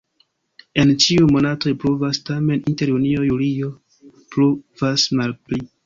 En ĉiuj monatoj pluvas, tamen inter junio-julio pluvas malpli.